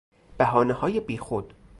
بهانههای بیخود